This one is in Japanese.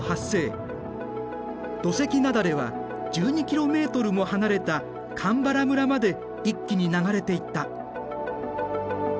土石なだれは１２ｋｍも離れた鎌原村まで一気に流れていった。